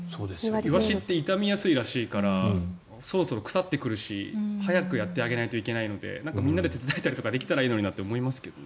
イワシって傷みやすいらしいからそろそろ腐ってくるし早くやってあげないといけないのでみんなで手伝えたりとかできたらと思いますけどね。